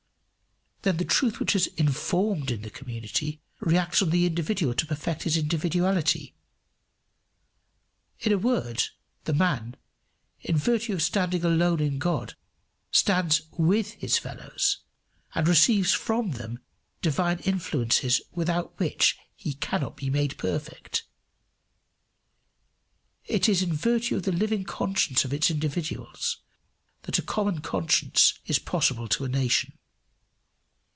Then the truth which has informed in the community reacts on the individual to perfect his individuality. In a word, the man, in virtue of standing alone in God, stands with his fellows, and receives from them divine influences without which he cannot be made perfect. It is in virtue of the living consciences of its individuals that a common conscience is possible to a nation.